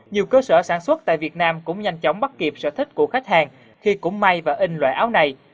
nhiều cơ sở sản xuất tại việt nam cũng nhanh chóng bắt kịp sở thích của khách hàng khi cũng may và in loại áo này